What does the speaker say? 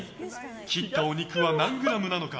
切ったお肉は何グラムなのか。